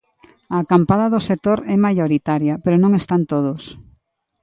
A acampada do sector é maioritaria, pero non están todos.